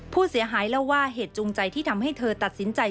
ผู้เสียหายเล่าว่าเหตุจูงใจที่ทำให้เธอตัดสินใจ